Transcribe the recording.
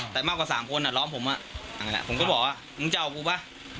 แต่มากกว่า๓คนล้อมผมนั่นแหละผมก็บอกว่ามึงจะเอากูป่ะ